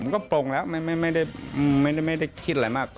ก็ปรงแล้วไม่ได้ความคิดอะไรมาก